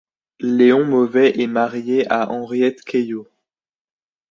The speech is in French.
Léon Mauvais est marié à Henriette Caillot.